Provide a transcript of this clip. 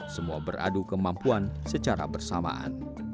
semua beradu kemampuan secara bersamaan